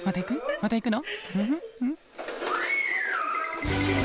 また行くの？